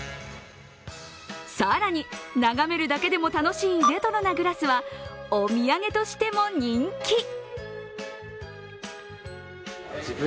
更に、眺めるだけでも楽しいレトロなグラスはお土産としても人気。